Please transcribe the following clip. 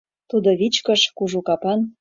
Тудо вичкыж, кужу капан.